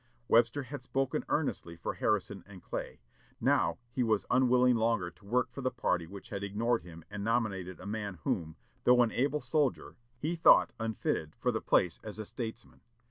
Webster had spoken earnestly for Harrison and Clay; now he was unwilling longer to work for the party which had ignored him and nominated a man whom, though an able soldier, he thought unfitted for the place as a statesman.